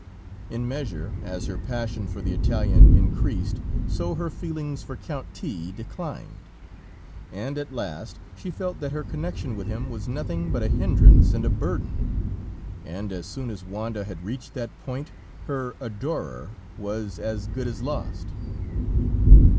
In measure as her passion for the Italian increased, so her feelings for Count T declined, and at last she felt that her connection with him was nothing but a hindrance and a burden, and as soon as Wanda had reached that point, her adorer was as good as lost.